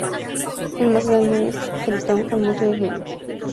El más grande es Tritón con mucha diferencia.